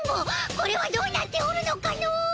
これはどうなっておるのかの。